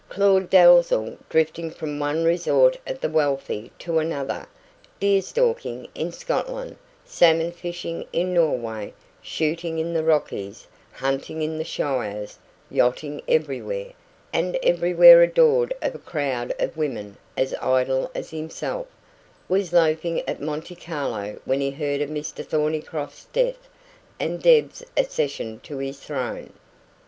Claud Dalzell, drifting from one resort of the wealthy to another deer stalking in Scotland, salmon fishing in Norway, shooting in the Rockies, hunting in the Shires, yachting everywhere, and everywhere adored of a crowd of women as idle as himself was loafing at Monte Carlo when he heard of Mr Thornycroft's death and Deb's accession to his throne.